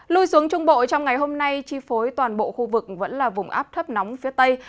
lui xuống trung bộ trong ngày hôm nay chi phối toàn bộ khu vực vẫn là vùng áp thấp nóng phía tây